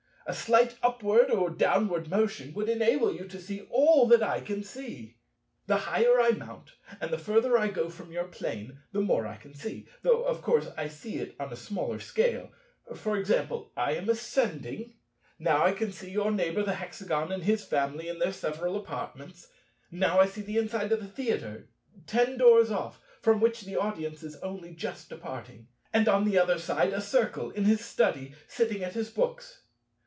A slight upward or downward motion would enable you to see all that I can see. "The higher I mount, and the further I go from your Plane, the more I can see, though of course I see it on a smaller scale. For example, I am ascending; now I can see your neighbour the Hexagon and his family in their several apartments; now I see the inside of the Theatre, ten doors off, from which the audience is only just departing; and on the other side a Circle in his study, sitting at his books.